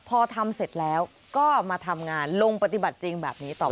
พอทำเสร็จแล้วก็มาทำงานลงปฏิบัติจริงแบบนี้ต่อไป